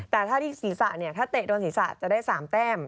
แต่ถ้าที่ศีรษะเนี่ยถ้าเตะโดนศีรษะจะได้๓แต้ม